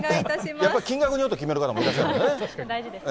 やっぱり金額によって決める方もいらっしゃいますからね。